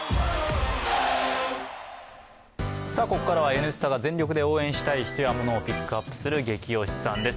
ここからは「Ｎスタ」が全力で応援したい人やものをピックアップする「ゲキ推しさん」です。